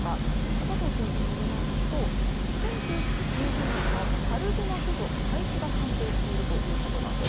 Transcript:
佐藤教授によりますと１９９０年の春グマ駆除が廃止が関係しているということなんです。